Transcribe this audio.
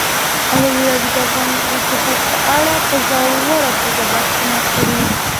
ازادي راډیو د اقتصاد په اړه په ژوره توګه بحثونه کړي.